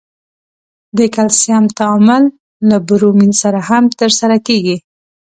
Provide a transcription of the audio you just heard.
د کلسیم تعامل له برومین سره هم ترسره کیږي.